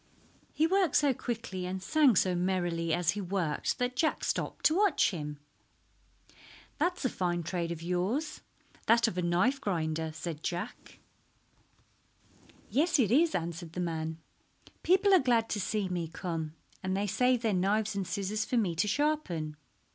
He worked so quickly and sang so merrily as he worked that Jack stopped to watch him. "That is a fine trade of yours—that of a knife grinder," said Jack. "Yes, it is," answered the man. "People are glad to see me come, and they save their knives and scissors for me to sharpen.